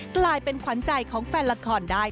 กลายเป็นขวัญใจของแฟนละครได้